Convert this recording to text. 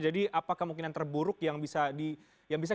jadi apa kemungkinan terburuk yang bisa